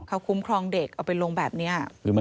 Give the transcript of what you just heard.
เขาคุ้มครองเด็กเอาไปลงแบบนี้